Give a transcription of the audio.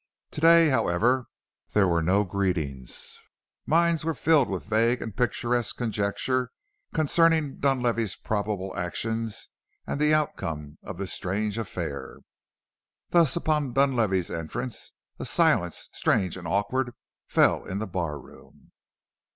To day, however, there were no greetings. Minds were filled with vague and picturesque conjecture concerning Dunlavey's probable actions and the outcome of this strange affair. Thus upon Dunlavey's entrance a silence strange and awkward fell in the bar room.